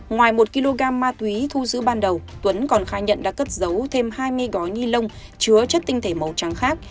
ngoài một kg ma túy thu giữ ban đầu tuấn còn khai nhận đã cất giấu thêm hai mươi gói ni lông chứa chất tinh thể màu trắng khác